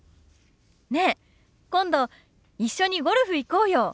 ねえ今度一緒にゴルフ行こうよ。